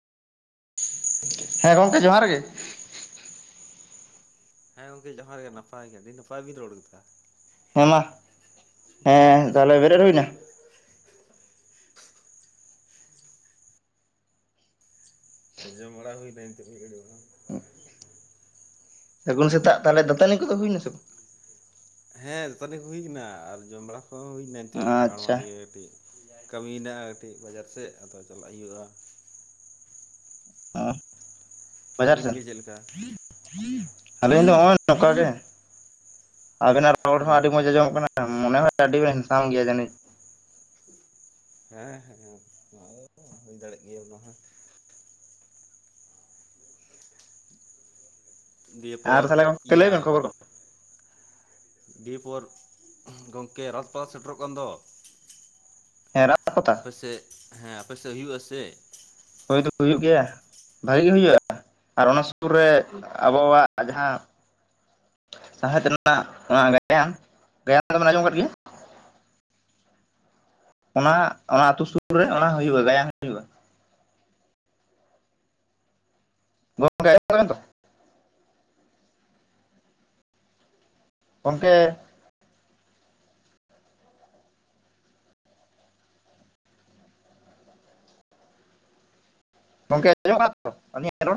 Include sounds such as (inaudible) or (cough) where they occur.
ᱦᱮᱸ ᱜᱚᱢᱠᱮ ᱡᱚᱦᱟᱨ ᱜᱮ᱾ ᱦᱮᱸ ᱜᱚᱝᱠᱮ ᱡᱚᱦᱟᱨ ᱜᱮ ᱱᱟᱯᱟᱭ ᱜᱮ ᱟᱹᱰᱤ ᱱᱟᱯᱟᱭ ᱵᱤᱱ ᱨᱚᱲ ᱠᱮᱫᱟ᱾ ᱦᱮᱸ ᱢᱟ, ᱦᱮᱸ ᱛᱟᱦᱚᱞᱮ ᱵᱮᱨᱮᱫ ᱦᱩᱭ ᱮᱱᱟ ᱡᱚᱢ ᱵᱟᱲᱟ ᱦᱩᱭᱱᱟ ᱱᱤᱛᱚᱜ ᱢᱤᱫ ᱜᱷᱟᱹᱲᱤ ᱢᱟᱲᱟᱝ ᱾ ᱥᱟᱹᱜᱩᱱ ᱥᱮᱛᱟᱜ ᱛᱟᱞᱦᱮ ᱫᱟᱹᱛᱟᱹᱱᱤ ᱠᱚᱫᱚ ᱦᱩᱭᱱᱟ ᱥᱮ ᱵᱟᱝ? ᱦᱮᱸ ᱫᱟᱹᱛᱟᱹᱱᱤ ᱠᱚ ᱦᱩᱭ ᱠᱟᱱᱟ ᱟᱨ ᱡᱚᱢ ᱵᱟᱲᱟ ᱠᱚᱦᱚᱸ ᱦᱩᱭᱱᱟ ᱱᱤᱛᱚᱜ ᱪᱟᱲ ᱟᱪᱪᱷᱟ ᱢᱟᱲᱜᱮ ᱠᱟᱹᱴᱤᱡ᱾ ᱠᱟᱹᱢᱤ ᱦᱮᱱᱟᱜᱼᱟ ᱠᱟᱹᱴᱤᱡ ᱵᱟᱡᱟᱨ ᱥᱮᱫ ᱟᱫᱚ ᱪᱟᱞᱟᱜ ᱦᱩᱭᱩᱜᱼᱟ᱾ ᱚ ᱵᱟᱡᱟᱨ ᱟᱹᱵᱤᱱ ᱥᱮᱫ? ᱜᱮ ᱪᱮᱫ ᱞᱮᱠᱟ ᱟᱹᱞᱤᱧ ᱫᱚ ᱦᱚᱸᱜᱼᱚᱭ ᱱᱚᱝᱠᱟ ᱜᱮ, ᱟᱵᱤᱱᱟᱜ ᱨᱚᱲ ᱦᱚᱸ ᱟᱹᱰᱤ ᱦᱮᱸ ᱢᱚᱸᱡᱽ ᱟᱸᱡᱚᱢᱚᱜ ᱠᱟᱱᱟ᱾ ᱢᱚᱱᱮ ᱦᱚᱭ ᱟᱹᱰᱤ ᱵᱮᱱ ᱦᱮᱱᱰᱥᱟᱢ ᱜᱮᱭᱟ ᱡᱟᱹᱱᱤᱡ᱾ ᱦᱮᱸ ᱦᱮᱸ (inaudible) ᱦᱩᱭ ᱫᱟᱲᱮᱜ ᱜᱮᱭᱟ ᱚᱱᱟ ᱦᱚᱸ᱾ ᱟᱨ ᱫᱮᱭᱮᱯᱚᱨ ᱛᱟᱦᱚᱞᱮ ᱜᱚᱝᱠᱮ ᱞᱟᱹᱭ ᱤᱭᱟ ᱵᱮᱱ ᱠᱷᱚᱵᱚᱨ ᱠᱚ ᱫᱤᱭᱮᱯᱚᱨ ᱜᱚᱝᱠᱮ ᱨᱚᱛᱷ ᱠᱚ ᱥᱮᱴᱮᱨᱚᱜ ᱠᱟᱱ ᱫᱚ᱾ ᱦᱮᱸ ᱨᱟᱜ ᱯᱟᱛᱟ ᱟᱯᱮ ᱥᱮᱫ ᱦᱮᱸ ᱟᱯᱮ ᱥᱮᱫ ᱦᱩᱭᱩᱜ-ᱟ ᱥᱮ? ᱦᱳᱭ ᱫᱚ ᱦᱩᱭᱩᱜ ᱜᱮᱭᱟ᱾ ᱵᱷᱟᱜᱮ ᱜᱮ ᱦᱩᱭᱩᱜᱼᱟ ᱟᱨ ᱚᱱᱟ ᱥᱩᱨ ᱨᱮ ᱟᱵᱚᱣᱟᱜ ᱡᱟᱦᱟᱸ ᱥᱟᱸᱭᱦᱮᱫ ᱨᱮᱱᱟᱜ ᱚᱱᱟ ᱜᱟᱭᱟᱱ, ᱜᱟᱭᱟᱱ ᱫᱚᱵᱮᱱ ᱟᱸᱡᱚᱢ ᱟᱠᱟᱫ ᱜᱮᱭᱟ? ᱚᱱᱟ ᱚᱱᱟ ᱟᱹᱛᱩ ᱥᱩᱨ ᱨᱮ ᱚᱱᱟ ᱦᱩᱭᱩᱜᱼᱟ ᱜᱟᱭᱟᱱ ᱦᱩᱭᱩᱜᱼᱟ᱾ (inaudible) ᱜᱚᱝᱠᱮ᱾ ᱜᱚᱝᱠᱮ ᱟᱸᱡᱚᱢᱜ ᱠᱟᱱᱟ ᱛᱚ ᱟᱞᱤᱧᱟᱜ ᱨᱚᱲ?